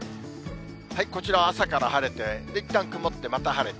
こちらは朝から晴れて、いったん曇って、また晴れて。